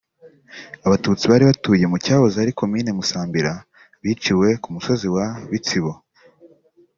Abatutsi bari batuye mu cyahoze ari Komini Musambira biciwe ku musozi wa Bitsibo